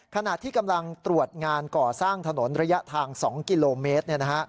ขณะที่กำลังตรวจงานก่อสร้างถนนระยะทาง๒กิโลเมตร